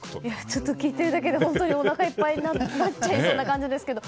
ちょっと聞いているだけでおなかいっぱいになっちゃいそうな感じですけど。